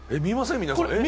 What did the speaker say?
皆さん。